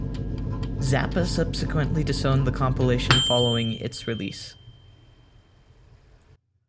Zappa subsequently disowned the compilation following its release.